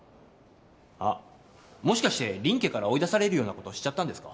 あっもしかして林家から追い出されるようなことしちゃったんですか？